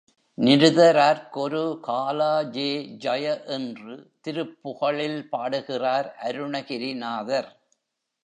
நிருத ரார்க்கொரு காலா ஜேஜய என்று திருப்புகழில் பாடுகிறார் அருணகிரிநாதர்.